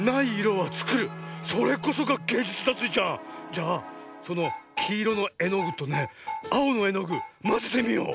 じゃあそのきいろのえのぐとねあおのえのぐまぜてみよう。